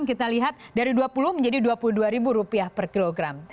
kita lihat dari rp dua puluh menjadi rp dua puluh dua per kilogram